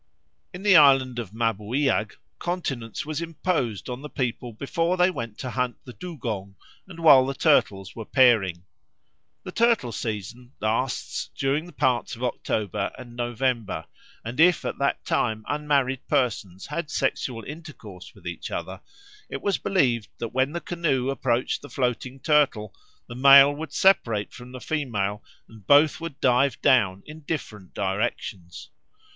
In the island of Mabuiag continence was imposed on the people both before they went to hunt the dugong and while the turtles were pairing. The turtle season lasts during parts of October and November; and if at that time unmarried persons had sexual intercourse with each other, it was believed that when the canoe approached the floating turtle, the male would separate from the female and both would dive down in different directions.